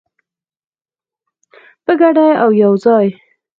په ګډه او یوځای.